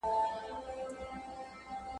• بې وخته مېلمه ئې د خپله بخته خوري.